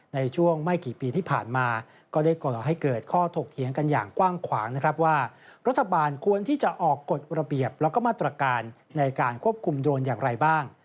ในช่วงไม่กี่ปีที่ผ่านมาก็ได้ก่อให้เกิดข้อถกเถียงกันอย่างกว้างขวางนะครับว่ารัฐบาลควรที่จะออกกฎระเบียบแล้วก็มาตรการในการควบคุมโดรนอย่างไรบ้าง